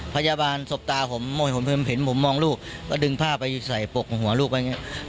พยาบาลสบตาผมเห็นผมมองลูกก็ดึงผ้าไปใส่ปกหัวลูกไว้อย่างนี้